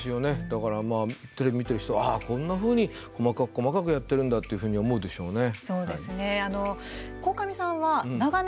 だからテレビ見てる人ああ、こんなふうに細かく細かくやってるんだっていうふうに思うでしょうね。